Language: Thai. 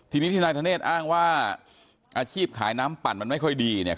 ทีนี้ที่นายธเนธอ้างว่าอาชีพขายน้ำปั่นมันไม่ค่อยดีเนี่ย